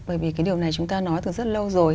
bởi vì cái điều này chúng ta nói từ rất lâu rồi